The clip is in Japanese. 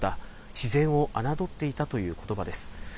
自然を侮っていたということばです。